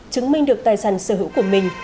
chứng minh được tài sản sở hữu của mình